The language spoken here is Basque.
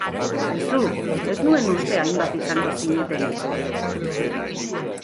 Aizu, ez nuen uste hainbat izango zinetenik.